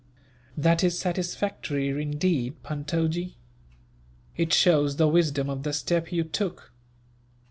"That is satisfactory, indeed, Puntojee. It shows the wisdom of the step you took.